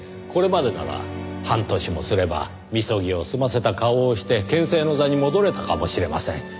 これまでなら半年もすればみそぎを済ませた顔をして権勢の座に戻れたかもしれません。